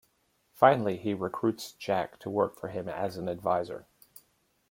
Finally, he recruits Jack to work for him as an adviser.